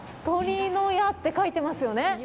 「とり乃屋」って書いてますよね。